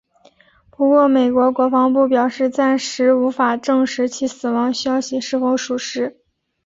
不过美国国防部表示暂时无法证实其死亡消息是否属实。